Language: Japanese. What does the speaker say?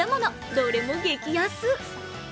どれも激安。